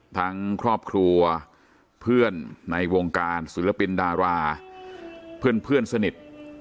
ทั้งครอบครัวเพื่อนในวงการศิลปินดาราเพื่อนสนิท